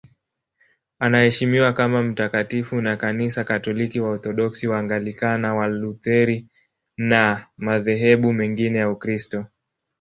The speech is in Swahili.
Anaheshimiwa kama mtakatifu na Kanisa Katoliki, Waorthodoksi, Waanglikana, Walutheri na madhehebu mengine ya Ukristo.